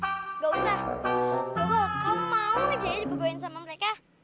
nggak usah dokol kamu mau aja ya dibegain sama mereka